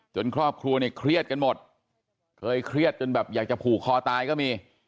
ครอบครัวเนี่ยเครียดกันหมดเคยเครียดจนแบบอยากจะผูกคอตายก็มี